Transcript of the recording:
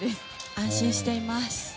安心しています。